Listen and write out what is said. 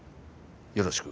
よろしく。